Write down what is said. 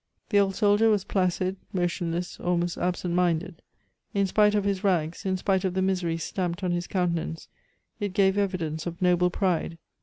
The old soldier was placid, motionless, almost absentminded. In spite of his rags, in spite of the misery stamped on his countenance, it gave evidence of noble pride.